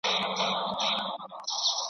چي پاتېږي له نسلونو تر نسلونو..